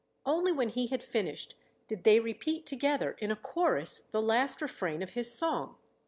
Only when he had finished did they repeat together in a chorus the last refrain of his song.